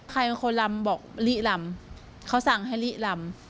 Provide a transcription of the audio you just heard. ใครเป็นคนลำบอกลิลำเขาสั่งให้ลิลำ